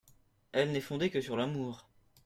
Elle n’est fondée que sur l’amour.